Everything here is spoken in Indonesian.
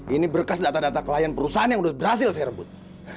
ini berkas data data klien perusahaan yang sudah berhasil saya rebut